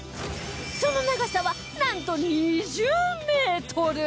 その長さはなんと２０メートル！